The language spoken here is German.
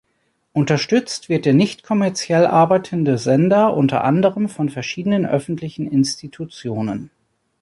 Unterstützt wird der nichtkommerziell arbeitende Sender unter anderem von verschiedenen öffentlichen Institutionen.